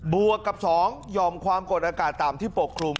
วกกับ๒ยอมความกดอากาศต่ำที่ปกคลุม